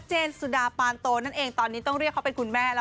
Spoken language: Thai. สุดาปานโตนั่นเองตอนนี้ต้องเรียกเขาเป็นคุณแม่แล้ว